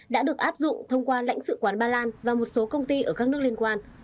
đã được áp dụng thông qua lãnh sự quán ba lan và một số công ty ở các nước liên quan